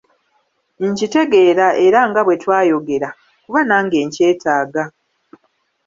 Nkitegeera era nga bwe twayogera, kuba nange nkyetaaga.